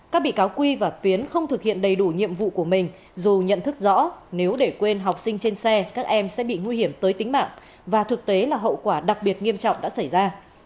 các bị cáo quy và phiến không thực hiện đầy đủ nhiệm vụ của mình dù nhận thức rõ nếu để quên học sinh trên xe các em sẽ bị nguy hiểm tới tính mạng và thực tế là hậu quả đặc biệt nghiêm trọng đã xảy ra